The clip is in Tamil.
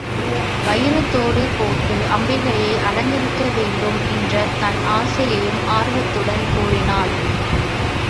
வைரத் தோடு போட்டு அம்பிகையை அலங்கரிக்க வேண்டும் என்ற தன் ஆசையையும் ஆர்வத்துடன் கூறினாள்.